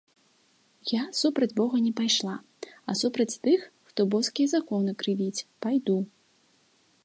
Я супроць бога не пайшла, а супроць тых, хто боскія законы крывіць, пайду.